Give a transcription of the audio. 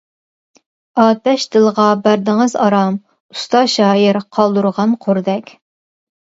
ئاتەش دىلغا بەردىڭىز ئارام، ئۇستا شائىر قالدۇرغان قۇردەك.